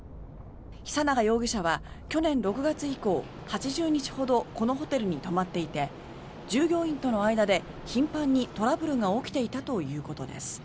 久永容疑者は去年６月以降８０日ほどこのホテルに泊まっていて従業員との間で頻繁にトラブルが起きていたということです。